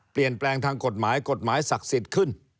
เปลี่ยนแปลงทางกฎหมายกฎหมายกฎหมายศักดิ์สิทธิ์ขึ้น